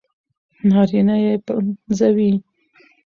نارينه يې پنځوي